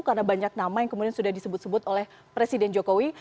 karena banyak nama yang kemudian sudah disebut sebut oleh presiden jokowi